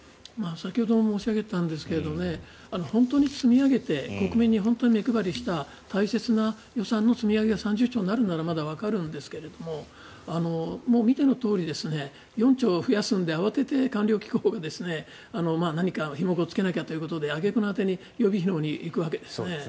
先ほども申し上げたんですが本当に積み上げて国民に本当に目配りした大切な予算の積み上げが３０兆になるんだったらまだわかるんですが見てのとおり４兆増やすんで慌てて官僚のほうがひもをつけなきゃということで揚げ句の果てに予備費のほうに行くわけですね。